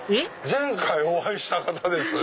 前回お会いした方です。